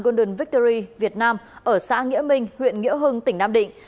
golden victory việt nam ở xã nghĩa minh huyện nghĩa hưng tỉnh nam định